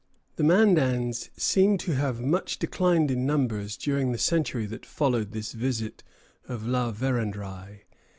The Mandans seem to have much declined in numbers during the century that followed this visit of La Vérendrye.